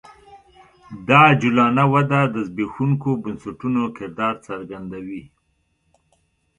دا عجولانه وده د زبېښونکو بنسټونو کردار څرګندوي